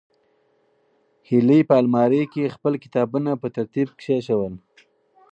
هیلې په المارۍ کې خپل کتابونه په ترتیب کېښودل.